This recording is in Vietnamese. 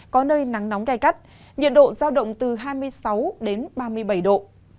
có nơi nắng nóng gai gắt nhiệt độ giao động từ hai mươi sáu đến ba mươi bảy độ